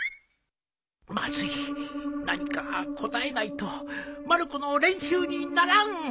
まずい何か答えないとまる子の練習にならん